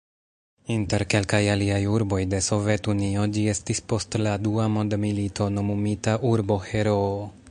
Inter kelkaj aliaj urboj de Sovet-Unio ĝi estis post la Dua mondmilito nomumita "Urbo-Heroo".